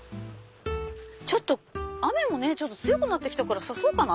ちょっと雨もね強くなってきたから差そうかな。